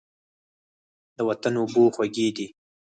د وطن اوبه خوږې دي.